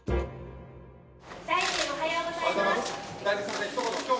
大臣おはようございます。